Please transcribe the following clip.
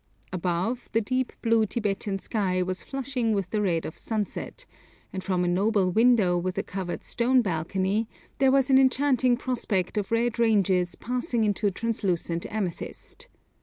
Above, the deep blue Tibetan sky was flushing with the red of sunset, and from a noble window with a covered stone balcony there was an enchanting prospect of red ranges passing into translucent amethyst.